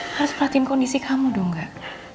harus perhatiin kondisi kamu dong enggak